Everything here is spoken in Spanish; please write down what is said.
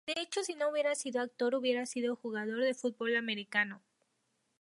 De hecho si no hubiese sido actor hubiera sido jugador de fútbol americano.